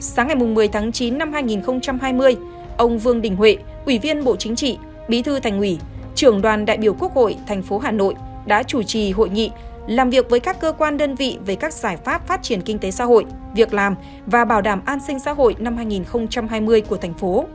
sáng ngày một mươi tháng chín năm hai nghìn hai mươi ông vương đình huệ ủy viên bộ chính trị bí thư thành ủy trưởng đoàn đại biểu quốc hội thành phố hà nội đã chủ trì hội nghị làm việc với các cơ quan đơn vị về các giải pháp phát triển kinh tế xã hội việc làm và bảo đảm an sinh xã hội năm hai nghìn hai mươi của thành phố